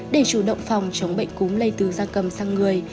để chủ động phòng chống bệnh cúm lây từ da cầm sang người